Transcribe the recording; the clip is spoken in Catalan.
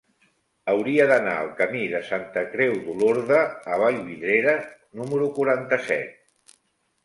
Hauria d'anar al camí de Santa Creu d'Olorda a Vallvidrera número quaranta-set.